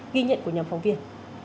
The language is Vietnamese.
ghi nhận của nhóm phóng viên